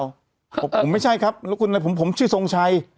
ผมไม่ใช่ครับผมชื่อทรงชัย